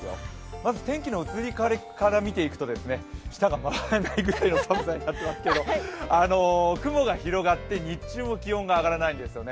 まず天気の移り変わりから見ていくと舌が回らないくらいの寒さになっていますけど雲が広がって日中も気温が上がらないんですよね。